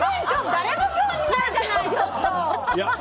誰も興味ないじゃない！